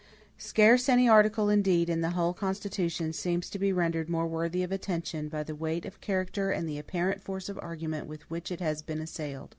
Scarce any article, indeed, in the whole Constitution seems to be rendered more worthy of attention, by the weight of character and the apparent force of argument with which it has been assailed.